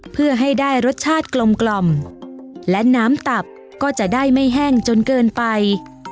เพื่อให้ได้รสชาติกลมและน้ำตับก็จะได้ไม่แห้งจนเกินไป